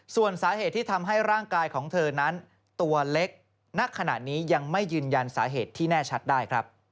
ส่วนสาเหตุที่ทำให้ร่างกายของเธอนั้นตัวเล็กณขณะนี้ยังไม่ยืนยันสาเหตุที่แน่ชัดได้ครับ